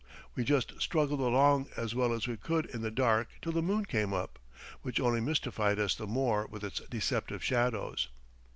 We just struggled along as well as we could in the dark till the moon came up, which only mystified us the more with its deceptive shadows.